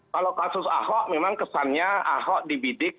kalau kasus ahok memang kesannya ahok dibidik